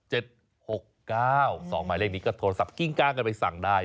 หมายเลขนี้ก็โทรศัพท์กิ้งก้างกันไปสั่งได้